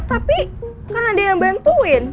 tapi kan ada yang bantuin